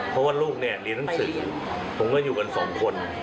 เพราะว่าลูกเนี่ยเรียนหนังสือผมก็อยู่กันสองคน